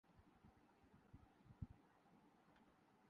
چار قسم کے کینسر